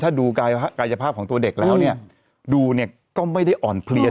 ถ้าดูกายภาพของตัวเด็กแล้วเนี่ยดูเนี่ยก็ไม่ได้อ่อนเพลีย